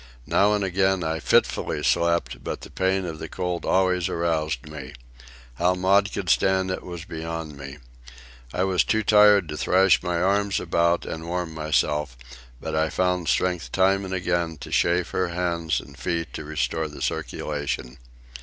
Now and again I fitfully slept, but the pain of the cold always aroused me. How Maud could stand it was beyond me. I was too tired to thrash my arms about and warm myself, but I found strength time and again to chafe her hands and feet to restore the circulation.